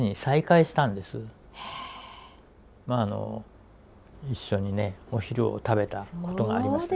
あの一緒にねお昼を食べたことがあります。